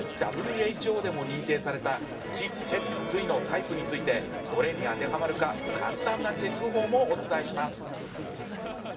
ＷＨＯでも認定された気・血・水のタイプについてどれに当てはまるか簡単なチェック法もお伝えします。